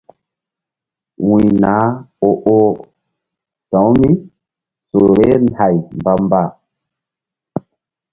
Wuy nah o-oh sa̧wu mí su vbeh hay mbamba.